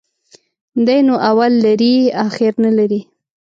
دى نو اول لري ، اخير نلري.